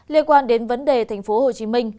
liên quan đến vấn đề thành phố hồ chí minh